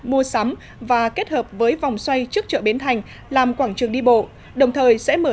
mua sắm và kết hợp với vòng xoay trước chợ bến thành làm quảng trường đi bộ đồng thời sẽ mở